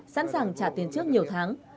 sẵn sàng trả tiền trước nhiều tháng